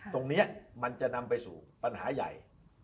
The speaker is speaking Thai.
ตรงนี้มันจะนำไปสู่ปัญหาใหญ่